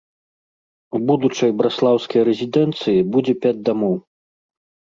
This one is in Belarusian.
У будучай браслаўскай рэзідэнцыі будзе пяць дамоў.